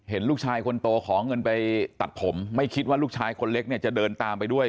เห็นลูกชายคนโตขอเงินไปตัดผมไม่คิดว่าลูกชายคนเล็กเนี่ยจะเดินตามไปด้วย